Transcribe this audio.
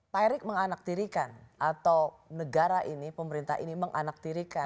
pak erik menganaktirikan atau negara ini pemerintah ini menganaktirikan